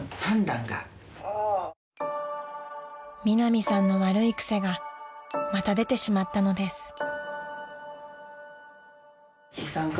［ミナミさんの悪い癖がまた出てしまったのです］